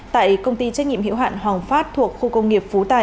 tại công ty trách nhiệm hiệu hạn hoàng phát thuộc khu công nghiệp phú tài